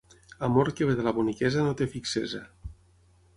Amor que ve de la boniquesa no té fixesa.